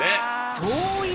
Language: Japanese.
そういう？